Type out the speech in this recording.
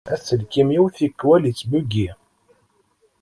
Aselkim-iw tikwal ittbugi.